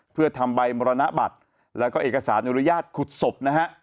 เพื่อทำใบมรณบัตรแล้วก็เอกสารอนุญาตขุดศพนะฮะ